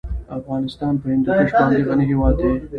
افغانستان په هندوکش باندې غني هېواد دی.